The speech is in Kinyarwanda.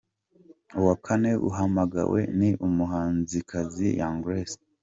Uwa Kane uhamagawe ni umuhanzikazi Young Grace.